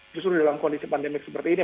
justru dalam kondisi pandemik seperti ini